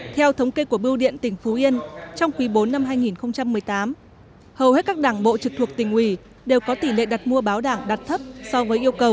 theo thống kê của bưu điện tỉnh phú yên trong quý bốn năm hai nghìn một mươi tám hầu hết các đảng bộ trực thuộc tỉnh ủy đều có tỷ lệ đặt mua báo đảng đặt thấp so với yêu cầu